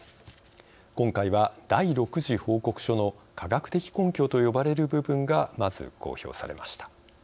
今回は第６次報告書の科学的根拠と呼ばれる部分がまず公表されました。